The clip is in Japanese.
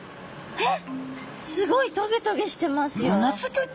えっ！